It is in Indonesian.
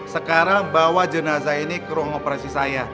sekarang bawa jenazah ini ke ruang operasi saya